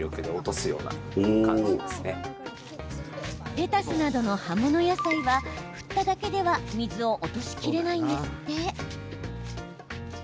レタスなどの葉物野菜は振っただけでは水を落としきれないんですって。